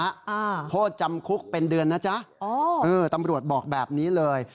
อ่าโทษจำคุกเป็นเดือนนะจ๊ะอ๋อเออตำรวจบอกแบบนี้เลย